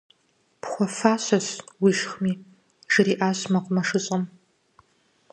- Пхуэфащэщ, уишхми, - жриӏащ мэкъумэшыщӏэм.